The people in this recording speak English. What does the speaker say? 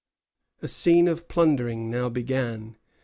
A scene of plundering now began.